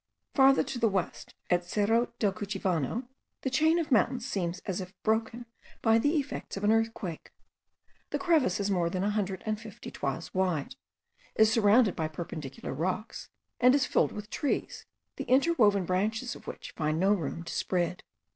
Farther to the west, at Cerro del Cuchivano, the chain of mountains seems as if broken by the effects of an earthquake. The crevice is more than a hundred and fifty toises wide, is surrounded by perpendicular rocks, and is filled with trees, the interwoven branches of which find no room to spread.